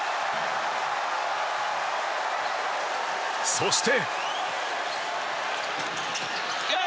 そして。